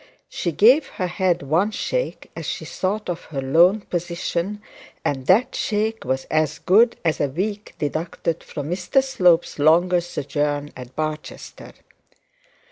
She gave her head one shake as she thought of her lone position, and that shake was as good as a week deducted from Mr Slope's longer sojourn in Barchester.